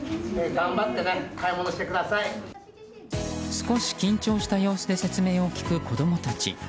少し緊張した様子で説明を聞く子供たち。